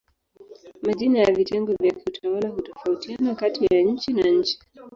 Majina ya vitengo vya kiutawala hutofautiana kati ya nchi na nchi.